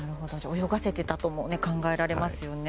泳がせていたとも考えられますよね。